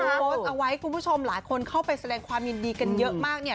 โพสต์เอาไว้คุณผู้ชมหลายคนเข้าไปแสดงความยินดีกันเยอะมากเนี่ย